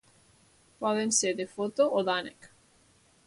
Poden ser de foto o d'ànec.